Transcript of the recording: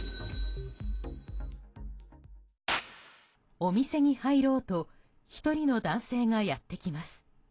お店に入ろうと１人の男性がやってきます。